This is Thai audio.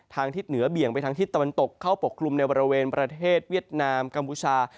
ทิศเหนือเบี่ยงไปทางทิศตะวันตกเข้าปกคลุมในบริเวณประเทศเวียดนามกัมพูชา